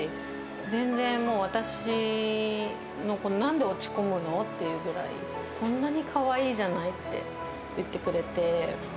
全然もう、私の、なんで落ち込むの？っていうぐらい、こんなにかわいいじゃないって言ってくれて。